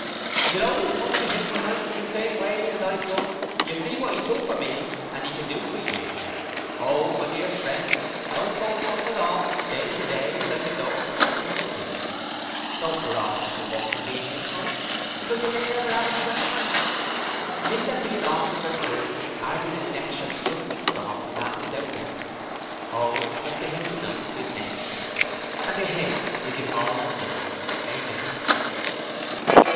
' If you'll honly come to 'im tonight in the same way as I done you'll see wot 'E's done for me 'E can do for you. Ho my dear frens, don't go puttin' it orf from day to day like a door turnin' on its 'inges, don't put orf to some more convenient time because you may never 'ave another chance. 'Im that bein' orfen reproved 'ardeneth 'is neck shall be suddenly cut orf and that without remedy. Ho come to 'im tonight, for 'Is name's sake and to 'Im we'll give hall the glory. Amen.'